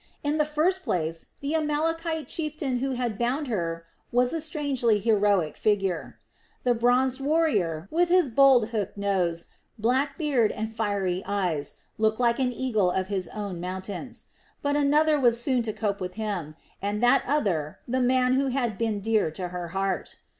In the first place the Amalekite chieftain who had bound her was a strangely heroic figure. The bronzed warrior, with his bold hooked nose, black beard, and fiery eyes, looked like an eagle of his own mountains. But another was soon to cope with him, and that other the man who had been dear to her heart.